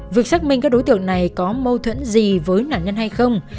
việc xác minh các đối tượng này có mâu thuẫn gì với nạn nhân hay không